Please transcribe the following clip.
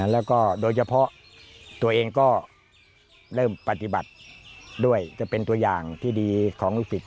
แล้วก็โดยเฉพาะตัวเองก็เริ่มปฏิบัติด้วยจะเป็นตัวอย่างที่ดีของลูกศิษย